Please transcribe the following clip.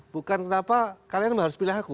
bukan kenapa kalian harus pilih aku